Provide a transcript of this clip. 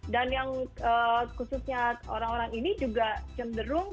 dan yang khususnya orang orang ini juga cenderung